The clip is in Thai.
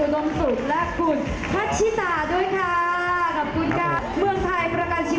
ต้องขอบคุณนะคะ